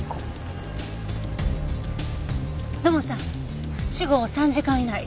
土門さん死後３時間以内。